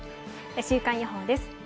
週間予報です。